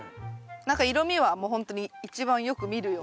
何か色みはもうほんとに一番よく見るような。